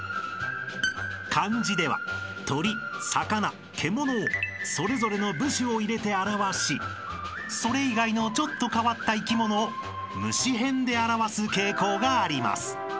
［漢字では鳥魚獣をそれぞれの部首を入れて表しそれ以外のちょっと変わった生き物を虫へんで表す傾向があります］